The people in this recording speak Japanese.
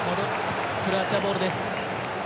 クロアチアボールです。